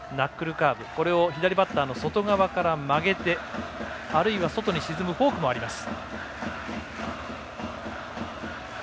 ナックルカーブ、これを左バッターの外側から曲げてあるいは外に沈むフォークもあります。